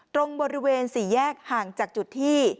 ตรงบริเวณสี่แยกห่างจากจุดที่